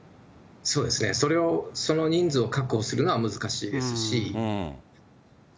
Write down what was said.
そうですね、その人数を確保するのは難しいですし。